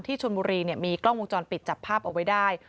ชนบุรีมีกล้องวงจรปิดจับภาพเอาไว้ได้